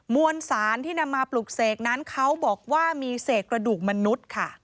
วนสารที่นำมาปลุกเสกนั้นเขาบอกว่ามีเศษกระดูกมนุษย์ค่ะ